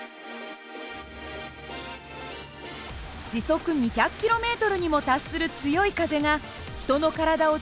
時速２００ｋｍにも達する強い風が人の体を宙に浮かせます。